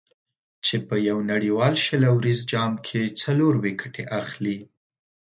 چې په یو نړیوال شل اوریز جام کې څلور ویکټې اخلي.